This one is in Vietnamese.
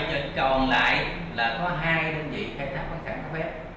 quay trình còn lại là có hai đơn vị khai thác phát sản có phép